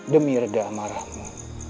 demi reda marahmu